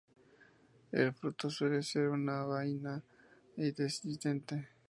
El fruto suele ser una baya indehiscente.